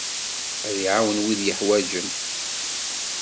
Ad iɛawen wid yeḥwaǧen.